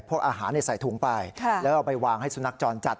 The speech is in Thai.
อาหารใส่ถุงไปแล้วเอาไปวางให้สุนัขจรจัด